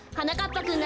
ぱくん